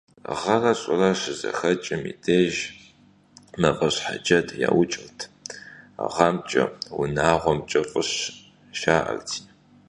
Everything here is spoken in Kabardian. Гъэрэ щӀырэ щызэхэкӀым и деж «мафӀэщхьэджэд» яукӀырт, «гъэмкӀэ, унагъуэмкӀэ фӀыщ», жаӀэрти.